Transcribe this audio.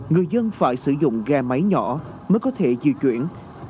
người dân phải sử dụng ghe máy nhỏ mới có thể di chuyển